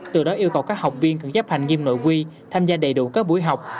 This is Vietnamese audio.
từ đó yêu cầu các học viên cần chấp hành nghiêm nội quy tham gia đầy đủ các buổi học